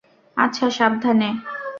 আচ্ছা, সাবধানে।